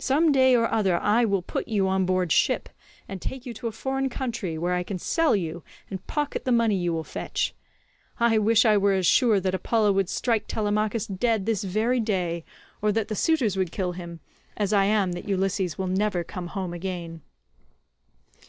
Some day or other I will put you on board ship and take you to a foreign country, where I can sell you and pocket the money you will fetch. I wish I were as sure that Apollo would strike Telemachus dead this very day, or that the suitors would kill him, as I am that Ulysses will never come home again."